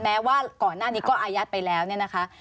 แม้ว่าก่อนหน้านี้ก็อายัดไปแล้วเนี่ยนะคะ